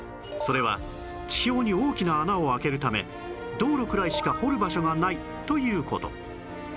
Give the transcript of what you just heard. それは地表に大きな穴を開けるため道路くらいしか掘る場所がないという事